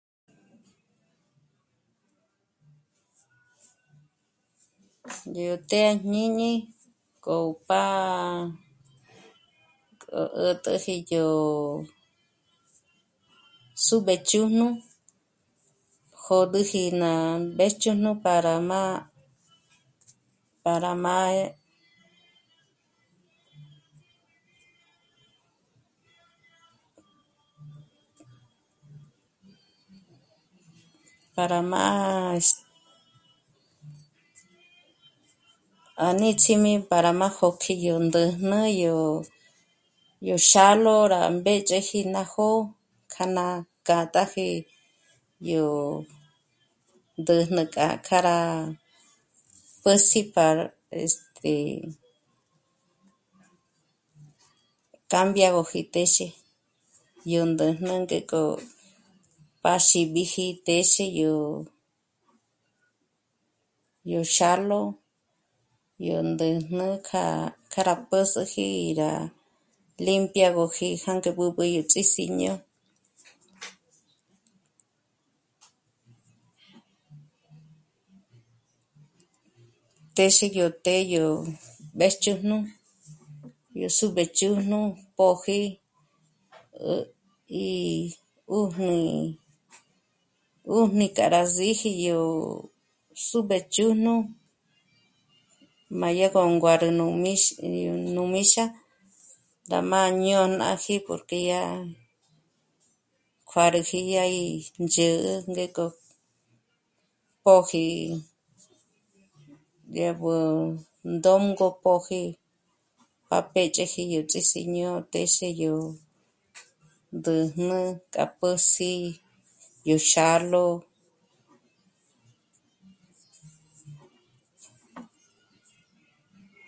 Yó të́'ë à jñíñi k'o pá'a, k'o ä̀t'äji yó súb'ejchujn'ü jôd'üji ná mbéjchujn'ü para má, para má, para má es... à nits'ími para má jôkji yó ndä̂jnä yó, yó xálo rá mbédyeji ná jó'o kja ná k'â'a tápji yó ndä̂jnä k'a, k'a rá pä́s'i para este, cambiagöji téxe yó ndä̂jnä ngék'o pa xíbiji téxe yó, yó xálo, yó ndä̂jnä k'a, k'a rá pä́s'üji rá limpiagojí jângo b'ǚb'ü yó Ts'í Síño. Téxe yó të́'ë yó mbéjchujn'ü yó súb'ejchujn'ü póji, 'ä̀, eh... í 'ùjni, 'ùjni k'a rá síji yó súb'ejchujn'ü, má yá go nguârü nú míx..., nú míxa, rá má ñônaji porque yá kuârüji dya í ndzhä̌'ä ngék'o póji ngé b'óndôngo póji pa péch'eji yó Ts'í Siño téxe yó ndä̂jnä ̀k'a pós'i yó xálo